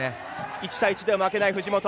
１対１では負けない藤本。